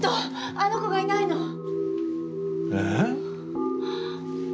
あの子がいないの！え？